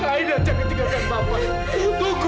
aida jangan tinggalkan bapak tunggu nak tunggu